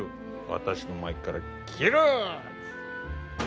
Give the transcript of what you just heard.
私の前から消えろ！